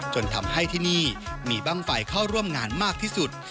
จนทำให้ที่นี่มีบ้างไฟเข้าร่วมงานมากที่สุด